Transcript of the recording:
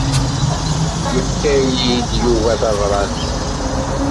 Yefka-yi-d Yuba tabrat.